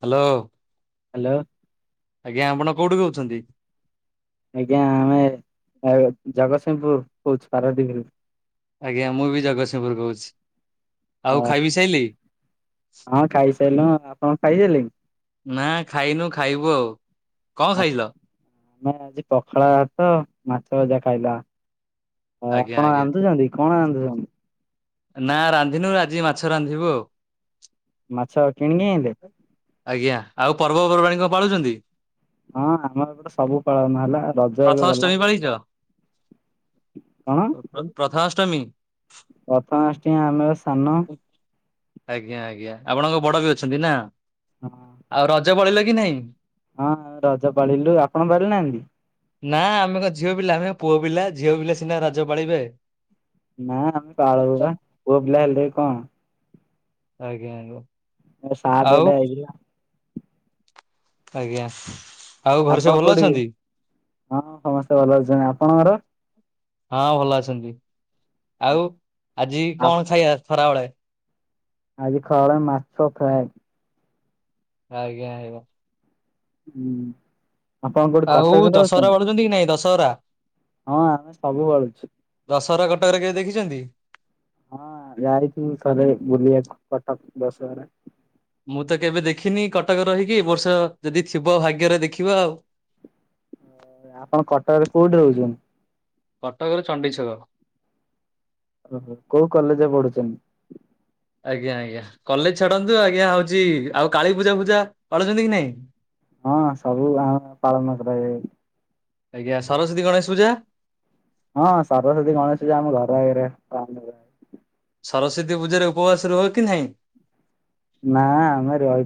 Hello. Hello. ଆଜ୍ଞା ଆପଣ କୋଉଠୁ କହୁଛନ୍ତି? ଆଜ୍ଞା ଆମେ ଜଗତସିଂହପୁର କହୁଛୁ ପାରାଦୀପରୁ। ଆଜ୍ଞା ମୁଁ ବି ଜଗତସିଂହପୁର କହୁଛି। ଆଉ ଖାଇ ବିି ସାଇଲି? ହଁ-ହଁ ଖାଇସାରିଲୁଣି ଆପଣ ଖାଇସାରିଲେଣି। ନା ଖାଇନୁ ଖାଇବୁ ଆଉ କଣ ଆଉ ଖାଇଲ? ଆମେ ଆଜି ପଖାଳ ଭାତ ମାଛ ଭଜା ଖାଇଲା। ହଁ ଆଜ୍ଞା ଆପଣ ଆଜ୍ଞା। ରାନ୍ଧୁଛନ୍ତି କଣ ରାନ୍ଧୁଛନ୍ତି? ନା ରାନ୍ଧିନୁ ଆଜି ମାଛ ରାନ୍ଧିବୁ ମାଛ ଆଉ। କିଣିକି ଆଣିଲେ? ଆଜ୍ଞା ଆଉ ପର୍ବପର୍ବାଣୀ କଣ ପାଳୁଛନ୍ତି? ହଁ ଆମର ଗଟେ ସବୁ ପାଳନ ହେଲା। ରଜ ଏବେ ଗଲା ପ୍ରଥଷ୍ଟମୀ ପାଳିଚ କଣ ପ୍ରଥମାଷ୍ଟମୀ। ପ୍ରଥମାଷ୍ଟମୀ ଆମେ ବା ସାନ। ଆଜ୍ଞା-ଆଜ୍ଞା ଆପଣଙ୍କ ବଡ ବି ଅଛନ୍ତି ନା। ହଁ ଆଉ ରଜ ପଳିଲ କି ନାଇଁ? ହଁ ରଜ ପାଳିଲୁ ଆପଣ ପାଳି ନାହାନ୍ତି। ନା ଆମେ ଝିଅ ପିଲା ଆମେ ପୁଅ ପିଲା ଝିଅ ପିଲା ସିନା ରାଜ ପାଳିବେ। ନାଁ ଆମେ ପାଳୁ ବା ପୁଅ ପିଲା ହେଲେ କଣ? ଆଜ୍ଞା-ଆଜ୍ଞା। ଏ ସାଠ ଗୋଟେ ହେଇଥିଲା। ଆଜ୍ଞା। ଆଉ ଘରେ ସବୁ ଆପଣ ଭଲ କୋଉଠି ଅଛନ୍ତି? ହଁ ସମସ୍ତେ ଭଲ ଅଛନ୍ତି ଆପଣଙ୍କର ହଁ ଭଲ ଅଛନ୍ତି ଆଉ ଆଜି କଣ ଖାଇବା ଖରାବେଳେ? ଆଜି ଖରାବେଳେ ମାଛ ଫ୍ରାଏ। ଆଜ୍ଞା-ଆଜ୍ଞା। ହୁଁ ଆପଣ କୋଉଠି ଆଉ କଟକରେ ଦଶହରା ଅଛନ୍ତି। ବଳୁଛନ୍ତି କି ନାଇଁ ଦଶହରା? ହଁ ଆମେ ସବୁ [unintelligible] ଦଶହରା କଟକରେ କେବେ ଦେଖିଛନ୍ତି? ହଁ ଯାଇଥିଲୁ ଥରେ ବୁଲିବାକୁ କଟକ ଦଶହରା। ମୁଁ ତ କେବେ ଦେଖିନି କଟକ ରହିକି ଏବ ବର୍ଷ ଯଦି ଥିବ ଭାଗ୍ୟରେ ଦେଖିବ ଆଉ। [inaudible] ଆପଣ କଟକରେ କୋଉଠି ରହୁଛନ୍ତି? କଟକରେ ଚଣ୍ଡିଛକ। ଓହୋ କୋଉ କଲେଜରେ ପଢୁଛନ୍ତି? ଆଜ୍ଞା-ଆଜ୍ଞା କଲେଜ ଛାଡନ୍ତୁ ଆଜ୍ଞା ହଉଛି ଆଉ କାଳୀ ପୂଜା ଫୂଜା ପାଳୁଛନ୍ତି କି ନାଇଁ? ହଁ ସବୁ ଆମ ପାଳନ କରାଯାଏ। ଆଜ୍ଞା ସରସ୍ଵତୀ ଗଣେଶ ପୂଜା। ହଁ ସରସ୍ଵତୀ ଗଣେଶ ଆମ ଘର ଆଗରେ ପାଳନ କରାଯାଏ। ସରସ୍ଵତୀ ପୂଜାରେ ଉପବାସ ରୁହ କି ନାହିଁ? ନା ଆମେ ରହି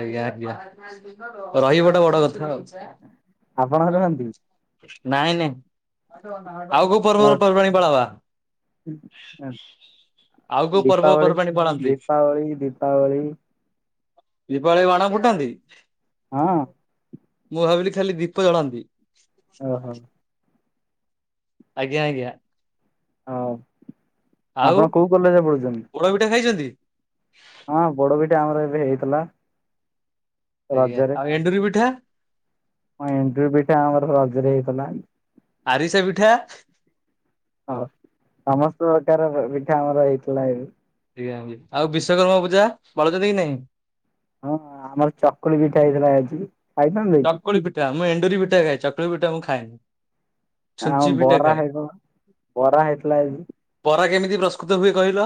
ଆଜ୍ଞା-ଆଜ୍ଞା ରହିବା ଟା ବଡ କଥା। ଆପଣ ରୁହନ୍ତି। ନାଇଁ ନାଇଁ ଆଉ କୋଉ ଆପଣ ପର୍ବରୁ ପର୍ବାଣୀ ପଳା ବା? ଆଉ କୋଉ ଦୀପାବଳି ପର୍ବପର୍ବାଣୀ ପାଳନ୍ତି? ଦୀପାବଳି ଦୀପାବଳି ଦୀପାବଳି ବାଣ ଫୁଟାନ୍ତି? ହଁ ମୁଁ ଭାବିଲି ଖାଲି ଦୀ ପ ଜଳାନ୍ତି। ଓ ହୋ! ଆଜ୍ଞା, ଆଜ୍ଞା, ହଉ ଆଉ ଆପଣ କୋଉ କଲେଜ୍ ରେ ପଢୁଛନ୍ତି? ପୋଡ ପିଠା ଖାଇଛନ୍ତି? ହଁ ପୋଡ ପିଠା ଆମର ଏବେ ହେଇଥିଲା। ସେୟା, ରଜରେ ଆଉ ଏଣ୍ଡୁରି ପିଠା? ହଁ ଏଣ୍ଡୁରି ପିଠା ଆମର ରଜରେ ହେଇଥିଲା। ଆରିସା ପିଠା? ଓହୋ, ସମସ୍ତ ପ୍ରକାର ପ-ପିଠା ଆମର ହେଇଥିଲା ହେରୁ। ଏୟା ହୁଏ। ଆଉ ବିଶ୍ଵକର୍ମା ପୂଜା ପାଳୁଚନ୍ତି କି ନାଇଁ? ହଁ ଆମର ଚକୁଳି ପିଠା ହେଇଥିଲା ଆଜି। ଖାଇଥାନ୍ତେ କି? ଚକୁଳି ପିଠା, ମୁଁ ଏଣ୍ଡୁରି ପିଠା ଖାଏ। ଚକୁଳି ପିଠା ମୁଁ ଖାଏନି। ଆଉ ଛୁଞ୍ଚି ପିଠା ବରା ଖାଏ। ହେଇଥିଲା। ବରା ହେଇଥିଲା ଏବେ। କି ପ୍ରସ୍କୃତ ହୁଏ କହିଲ?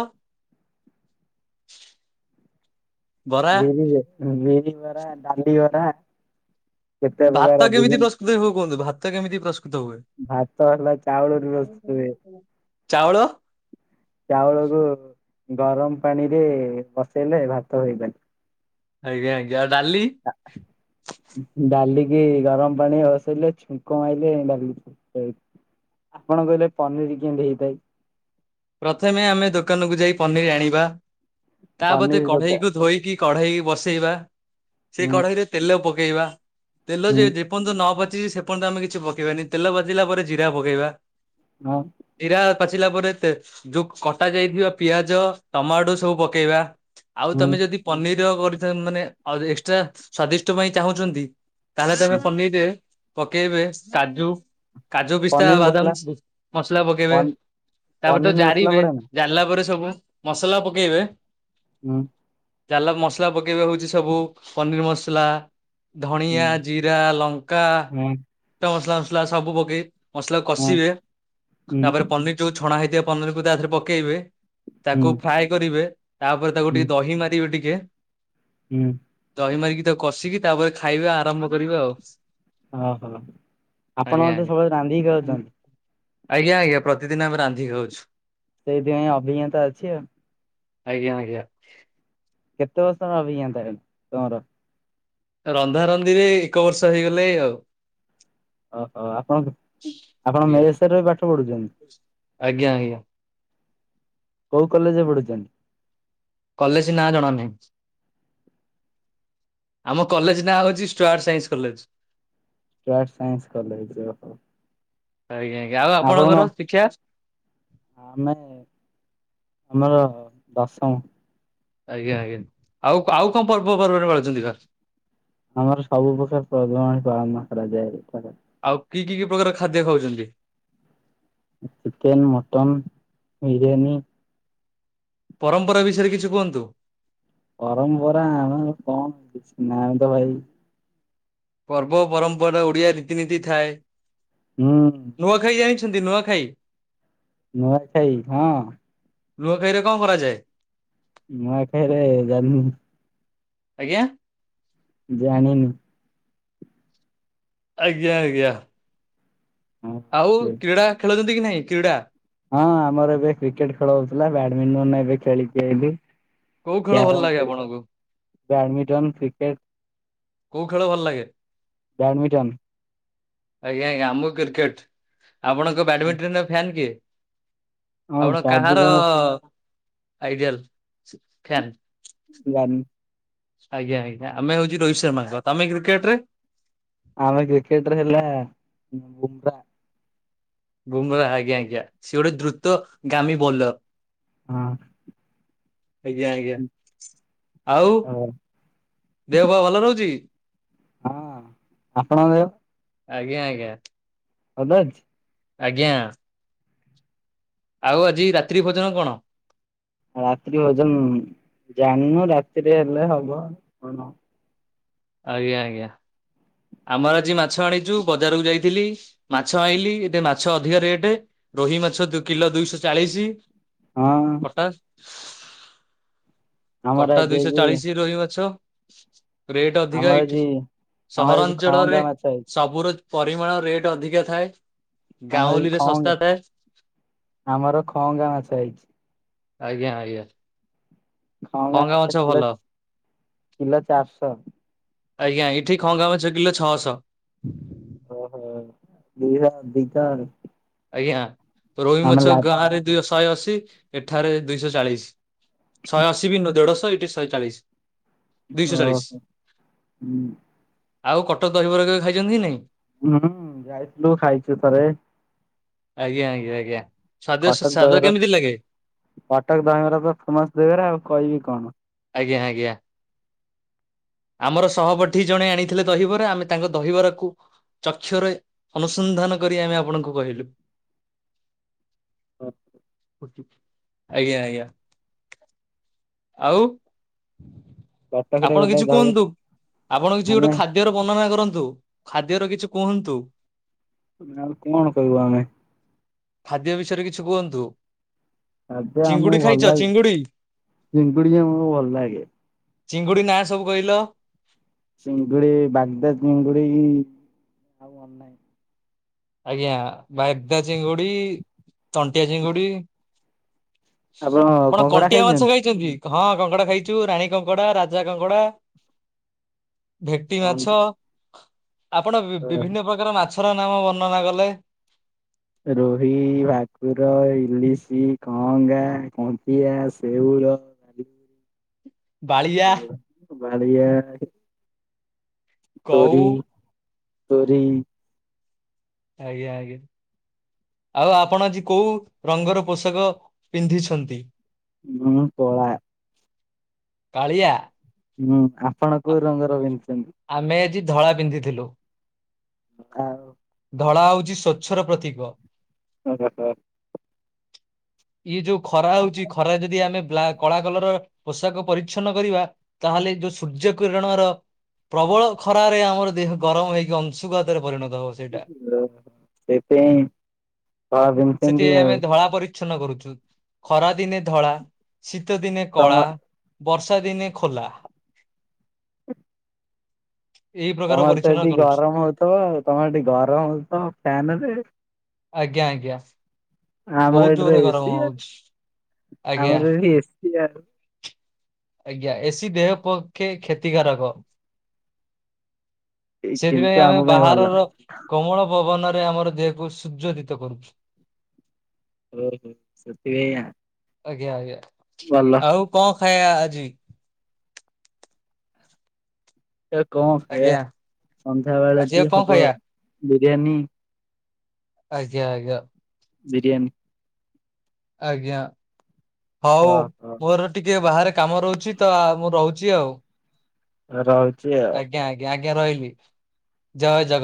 ବରା ବିରିରେ, ହୁଁ, ବିରିବରା, ଡାଲି ବରା। କେତେ ପ୍ରକାର ଭାତ କେମିତି ବିଭିନ୍ନ ପ୍ରସ୍ତୁତି ହୁଏ କୁହନ୍ତୁ? ଭାତ କେମିତି ପ୍ରସ୍ ଭାତ ହେଲା ଚାଉଳରୁ ପ୍ରସ୍ତୁତ ହୁଏ। ଚାଉଳ? ଚାଉଳକୁ ଗରମ ପାଣିରେ ବସେଇଲେ ଭାତ ହେଇଗଲା। ଆଜ୍ଞା, ଆଜ୍ଞା, ଆଉ ଡାଲି? କି ଗରମ ପାଣି ବସେଇଲେ ଛୁଙ୍କ ମାଇଲେ ଡାଲି [inaudible] ଆପଣ କହିଲେ ପନିର୍ କେମିତି ହେଇଥାଏ? ପ୍ରଥମେ ଆମେ ଦୋକାନକୁ ଯାଇ ପନିର୍ ଆଣିବା। ତା ବତେ ପନିର କଢେଇକୁ ଦୋକାନ ଧୋଇକି କଢେଇ ବସେଇବା। ସେ ହୁଁ। କଢେଇରେ ତେଲ ପକେଇବା। ତେଲ ଯେ ହୁଁ ଯେପନ୍ତ ନ ପାଚ ତିଚି ସେପର୍ଯ୍ୟନ୍ତ ତ ଆମେ କିଛି ପକେଇବାନି ତେଲ ପାଚିଲା ପରେ ଜିରା ପକେଇବା। ହଁ। ଜିରା ପାଚିଲା ପରେ ତେ ଯୋଉ କଟା ଯାଇଥିବା ପିଆଜ ଟମାଟୋ ସବୁ ପକେଇବା। ଆଉ ହୁଁ ତୋମେ ଯଦି ପନିର୍ ର କରିଥା ମାନେ ଆଉରି ଏକ୍ସଟ୍ରା ସ୍ଵାଦିଷ୍ଟ ପାଇଁ ଚାହୁଁଚନ୍ତି ତାହେଲେ ତୋମେ ହୁଁ ପନିର୍ ରେ ପକେଇବେ କାଜୁ କାଜୁ ପିସ୍ତା ପନିର ମସଲା ବାଦାମ ମସଲା ପକେଇବେ। ତାପରେ ତ ପନିର ମସଲା ଜାରିବେ। ପଡେ ନା? ଜାରିଲା ପରେ ପରେ ସବୁ ମସଲା ପକେଇବେ। ଉଁ, ଚାଲ ମସଲା ପକେଇବେ ହଉଚି ସବୁ ପନିର୍ ମସଲା। ହୁଁ ଧଣିଆ, ଜିରା, ଲଙ୍କା ହଁ ତ ମସଲା ମସଲା ସବୁ ପକେଇ ମସଲା ହଁ କଷିବେ ତାପରେ ହୁଁ ପନିର୍ ଯୋଉ ଛଣା ହେଇଥିବ ପନିର୍ କୁ ତା ଦେହରେ ପକେଇବେ। ତାକୁ ହୁଁ ଫ୍ରାଏ କରିବେ। ତାପରେ ତାକୁ ହୁଁ ଟିକେ ଦହି ମାରିବେ ଟିକେ। ହୁଁ ଦହି ମାରିକି ତାକୁ କଷିକି ତାପରେ ଖାଇବା ଆରମ୍ଭ କରିବେ ଆଉ। ଓହୋ! ଆପଣ ଆଜ୍ଞା ମତେ ଆଜ୍ଞା। ସବୁବେଳେ ରାନ୍ଧିକିା ଖାଉଚନ୍ତି? ଆଜ୍ଞା, ଆଜ୍ଞା, ପ୍ରତିଦିନ ଆମେ ରାନ୍ଧିକି ଖାଉଛୁ। ସେଇଥିପାଇଁ ଅଭିଜ୍ଞତା ଅଛି ଆଉ। ଆଜ୍ଞା, ଆଜ୍ଞା। କେତେ ବର୍ଷର ଅଭିଜ୍ଞତା [unintelligible] ତୋମର? ରନ୍ଧାରନ୍ଧିରେ ଏକ ବର୍ଷ ହେଇଗଲେ ଆଉ। ଓହୋ! ଆପଣ ଆପଣ ଆଜ୍ଞା। ମେସ୍ ରେ ରହି ପାଠ ପଢୁଛନ୍ତି? ଆଜ୍ଞା ଆଜ୍ଞା କୋଉ କଲେଜ୍ ରେ ପଢୁଚନି? କଲେଜ୍ ନାଁ ଜଣା ନାହିଁ। ଆମ କଲେଜ ନାଁ ହଉଛି Stuart science college. Stuart science college ଓ ହୋ। ଆଜ୍ଞା ଆଞା ଆଉ ଆପଣଙ୍କର ଶିକ୍ଷା ଆମେ ଆମର ଦଶମ। ଆଜ୍ଞା ଆଜ୍ଞା ଆଉ ଆଉ କଣ ପର୍ବ ପର୍ବରେ ମିଳୁଛନ୍ତି ଘ ଆମର ସବୁ ପ୍ରକାର ପର୍ବପର୍ବାଣୀ ପାଳନ କରାଯାଏ। ଆଉ କି କି କି ପ୍ରକାର ଖାଦ୍ୟ ଖାଉଛନ୍ତି। ଚିକେନ ମଟନ ବିରିୟାନୀ ପରମ୍ପରା ବିଷୟରେ କିଛି କୁହନ୍ତୁ। ପରମ୍ପରା ଆମ କଣ କିଛି ନାହିଁ ତ ଭାଇ ପର୍ବ ପରମ୍ପରା ଓଡିଆ ରୀତିନୀତି ଥାଏ। ହୁଁ। ନୂଆଖାଇ ଜାଣିଛନ୍ତି ନୂଆଖାଇ। ନୂଆ ଖାଇ ହଁ। ନୁଆଖାଇରେ କଣ କରାଯାଏ? ନୁଆଖାଇରେ ଜାଣି ନି। ଆଜ୍ଞା। ଜାଣିିନି। ଆଜ୍ଞା ଆ୍ଞା। ହଁ। ଆଉ କ୍ରୀଡ଼ା ଖେଳଛନ୍ତି କି ନାଇଁ କ୍ରୀଡ଼ା। ହଁ ଆମର ଏବେ କ୍ରିକେଟ ଖେଳ ହଉଥିଲା, ବ୍ୟାଡମିଣ୍ଟନ ଏବେ ଖେଳିକି ଆଇଲି। କୋଉ ଖେଳ ଭଲ କ୍ୟାରମ ଲାଗେ ଖେଳୁ ଆପଣଙ୍କୁ? ବ୍ୟାଡମିଣ୍ଟନ କ୍ରିକେଟ କୋଉ ଖେଳ ଭଲ ଲାଗେ। ବ୍ୟାଡମିଣ୍ଟନ ଆଜ୍ଞା ଆଞା ଆମକୁ କ୍ରିକେଟ ଆପଣଙ୍କ ବ୍ୟାଡମିଣ୍ଟନ ଫ୍ୟନ୍ କିଏ। ହଁ ଆପଣ କାହାର ବ୍ୟାଡମିଣ୍ଟନ ଆଇଡିଆଲ ଫ୍ୟାନ୍ ଜାନ [unintelligible] ଆଜ୍ଞା ଆଜ୍ଞା ଆମେ ହଉଛି ରୋହିତ ଶର୍ମା ହେ ତମେ କ୍ରିକେଟରେ ଆମେ କ୍ରିକେଟର ହେଲା ବୁମ୍ରା। ବୁମରା ଆଜ୍ଞା ଆଜ୍ଞା ସିଏ ଗୋଟେ ଦ୍ରୁତ ଗାମୀ ବୋଲର୍। ହଁ। ଆଜ୍ଞା ଆଜ୍ଞା ଆଉ ହଁ। ଦେହ ପା ଭଲ ରହୁଛି। ହଁ ଆପଣଙ୍କ ଦେହ। ଆଜ୍ଞା ଆଜ୍ଞା। ଆଦାଞ୍ଚ [unintelligible] ଆଜ୍ଞା। ଆଉ ଆଜି ରାତ୍ରି ଭୋଜନ କଣ? ରାତ୍ରି ଓଜନ ଜାଣିନୁ ରାତିରେ ହେଲେ ହବ କଣ। ଆଜ୍ଞା ଆଜ୍ଞା। ଆମର ଆଜି ମାଛ ଆଣିଛୁ ବଜାରକୁ ଯାଇଥିଲି ମାଛ ଆଣିଲି ଏ ମାଛ ଅଧିକା ରେଟ୍ ରୋହି ମାଛ କିଲୋ ଦୁଇଶହ ଚାଳିଶ ହଁ। ଆମର କଟା ଆଜି ଦୁଇଶହ ଆଜି ଚାଳିଶ ରୋହି ମାଛ। ରେଟ୍ ଅଧିକା ଆମର ଏଇଠି ଆଜି ଆମର ଆଜି ଖଅଙ୍ଗା ସହରାଞ୍ଚଳରେ ମାଛ ହେଇଛି। ସବୁର ପରିମାଣ ରେଟ୍ ଅଧିକା ଥାଏ। ଆମର ଏ ଗାଉଁଲିରେ ଶସ୍ତା ଖଙ୍ଗା ଥାଏ [inaudible] ଆମର ଖଙ୍ଗା ମାଛ ହେଇଛି। ଆଜ୍ଞା ଆଜ୍ଞା। ଖଙ୍ଗା ଖଅଙ୍ଗା ମାଛ କିଲୋ ଭଲ। କିଲୋ ଚାରିଶହ। ଆଜ୍ଞା ଏଇଠି ଖଙ୍ଗା ମାଛ କିଲୋ ଛଅ ଶହ। ଓ ହୋ [unintelligible] ଦି ହ ଦିତାଣି [unintelligible] ଆଜ୍ଞା ରୋହି ମାଛ ଗାଁ ରେ ଦ ଶହେ ଅଶୀ ଏଠାରେ ଦୁଇଶହ ଚାଳିଶ। ଶହେ ଅଶୀ ବି ନୁହ, ଦେଢଶହ, ଏଇଠି ଶହେ ଚାଳିଶ ଦୁଇଶହ ଓ ଚାଳିଶ। ହୋ ହୁଁ। ଆଉ କଟକ ଦହିବରା ଖାଇଛନ୍ତି ନାଇଁ? ହୁଁ ଯାଇଥିଲୁ ଖାଇଛୁ ଥରେ। ଆଜ୍ଞା ଆଜ୍ଞା ଆଜ୍ଞା। ସ୍ଵାଦ କଟକ ସ୍ଵାଦ ଦହିବରା, କେମିତି ଲାଗେ? କଟକ ଦହିବରା ତ ଫେମସ ଦହିବରା, ଆଉ କହିବି କଣ? ଆଜ୍ଞା ଆଜ୍ଞା ଆ ଆମର ସହପାଠୀ ଜଣେ ଆଣିଥିଲେ ଦହିବରା, ଆମେ ତାଙ୍କ ଦହିବରାକୁ ଚକ୍ଷ୍ୟୁ ରେ ଅନୁସନ୍ଧାନ କରି ଆମେ ଆପଣଙ୍କୁ କହିଲୁ। ଓ ଆଜ୍ଞା ଆଜ୍ଞା [inaudible] ଆଉ କଟକରେ ଆପଣ ଗୋଟେ କିଛି ଦହିବରା କୁହନ୍ତୁ, ଆପଣ କିଛି ଗୋଟେ ଆମେ ଖାଦ୍ୟର ବର୍ଣ୍ଣନା କରନ୍ତୁ ଖାଦ୍ୟର କିଛି କୁହନ୍ତୁ? କଣ କହିବୁ ଆମେ। ଖାଦ୍ୟ ବିଷୟରେ କିଛି କୁହନ୍ତୁ। ଆବେ ଚିଙ୍ଗୁଡି ଆମକୁ ଭଲ ଖାଇଛ ଲାଗେ ଚିଙ୍ଗୁଡି ଚିଙ୍ଗୁଡି ଆମକୁ ଭଲ ଲାଗେ। ଚିଙ୍ଗୁଡି ନାଁ ସବୁ କହିଲ? ଚିଙ୍ଗୁଡି -ବାଗଦା ଚିଙ୍ଗୁଡି, ଆଉ ମନେ ନାହି ଆଜ୍ଞା, ବାଇଦା ଚିଙ୍ଗୁଡି, ତଣ୍ଟିଆ ଚିଙ୍ଗୁଡି? ଆପଣ କଣ୍ଟିଆ ମାଂଛ ଖାଇଛନ୍ତି? ହଁ କଙ୍କଡା ଖାଇଛୁ, ରାଣୀ କଙ୍କଡା, ରାଜା କଙ୍କଡା ଭେଟି ସନ ମାଛ, ଆପଣ ବିଭିନ୍ନ ପ୍ରକାର ମାଛର ନାମ ବନ ନା କଲେ। ରୋହି, ଭାକୁର, ଇଲିଶି, କହଙ୍ଗା, କଣ୍ଟିଆ, ସେଉ [unintelligible] ବାଳିଆ। ବାଳିଆ। କଉ ତୋରି, ତୋରି ଆଜ୍ଞା ଆଜ୍ଞା। ଆଉ ଆପଣ ଆଜି କୋଉ ରଙ୍ଗର ପୋଷାକ ପିନ୍ଧିଛନ୍ତି? ମୁଁ କଳା କାଳିଆ। ହୁଁ, ଆପଣ କୋଉ ରଙ୍ଗର ପିନ୍ଧିଛନ୍ତି? ଆମେ ଆ ଧଳା ପିନ୍ଧିଥିଲୁ। କା ଧଳା ହଉଛି ସ୍ଵଚ୍ଛର ପ୍ରତୀକ। ଓ ହୋ ହୋ [inaudible] ଇଏ ଯୋଉ ଖରା ହଉଛି, ଖରା ଯଦି ଆମେ କଳା କଲର ପୋଷାକ ପରିଚ୍ଛନ କରିବା, ତାହେଲେ ଯୋଉ ସୂର୍ଯ୍ୟ କିରଣର ପ୍ରବଳ ଖରାରେ ଆମର ଦେହ ଗରମ ହେଇକି ଅଂଶୁଘାତରେ ପରିଣ ଓୋ ସେପାଇଁ ବାଦଛନ୍ତି ଆଉ [unintelligible] ଉଚଛନ କରୁଛୁ ଖରା ଦିନେ ଧଳା, ଶୀତ ଦିନେ ତମ କଳା ବର୍ଷା ଦିନେ ଖୋଲା। ଏଇ ପ୍ରକାର ତମର ତ ପରିଚ୍ଛନ୍ନ ଏଠି କରୁଛି ଗରମ ହଉଥିବ ଆଉ ତମର ଟିକି ଗରମ ହଉଥିବ ଫ୍ୟାନ ରେ ଆଜ୍ଞା ଆଜ୍ଞା। ଆମର ବହୁତ ଏଠ ତ ଜୋରରେ ଗରମ ଏସି, ହଉଛି ଆଜ୍ଞା ଆମର ଏସିଆ ଆଜ୍ଞା, ଏସି ଦେହ ପକ୍ଷେ କ୍ଷତିକାରକ। କିନ୍ତୁ ସେଥିପାଇଁ ଆମ ଆମେ ପାଇଁ ଭଲ। ବାହାରର କୋମଳ ପବନରେ ଆମର ଦେହକୁ ସୁ୍ୋଦିତ [unintelligible] କରୁଛି। ଓ ହୋ ସତ ଭ। ଆଜ୍ଞା ଆଜ୍ଞା ଆଉ କଣ ଖାଇବା ଆଜି ଏ କଣ ଖାଇବା ଆଜ୍ଞା ସନ୍ଧ୍ୟା ବେଳେ ଆଜି ବି ଆଉ କଣ ହବ ଖାଇବା? ବିରିୟାନୀ। ଆଜ୍ଞା ଆଜ୍ଞା। ବିରିୟାନୀ। ଆଜ୍ଞା ହଉ ଓହୋ ମୋର ଟିକେ ବାହାରେ କାମ ରହୁଛି ତ ମୁଁ ରହୁଛି ଆଉ। ରହୁଛି ଆଉ। ଆଜ୍ ରହିଲି ଜୟ ଜଗନ୍ନାଥ